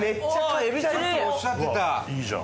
いいじゃん。